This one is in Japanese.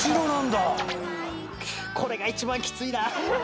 「これが一番きついな」